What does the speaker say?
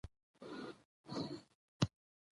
پر توکو عادلانه او مناسب ګټه وټاکي له خپلسري